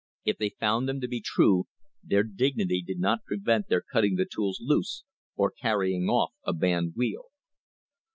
If they found them true, their dignity did not prevent their cutting the tools loose or carrying off a band wheel.